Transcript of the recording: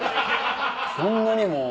そんなにもう。